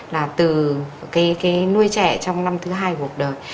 là từ cái nuôi trẻ trong năm thứ hai của cuộc đời